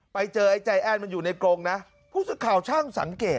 ไปเจอไอ้ใจแอ้นมันอยู่ในกรงนะผู้สื่อข่าวช่างสังเกต